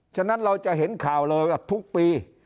ฉะนั้นเราจะเห็นข่าวเลยว่าทุกปี